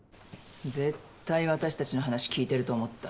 絶対私たちの話聞いてると思った。